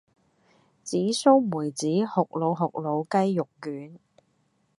紫蘇梅子酷魯酷魯雞肉卷